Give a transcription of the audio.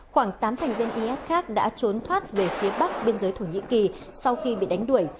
khoảng tám thành viên is khác đã trốn thoát về phía bắc biên giới thổ nhĩ kỳ sau khi bị đánh đuổi